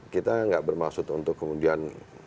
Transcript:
kita nggak bermaksud untuk kemudian